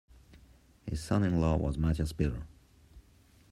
His son-in-law was Mathias Spieler.